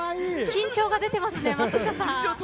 緊張が出ていますね、松下さん。